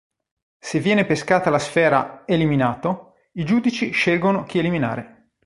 Se viene pescata la sfera "eliminato", i giudici scelgono chi eliminare.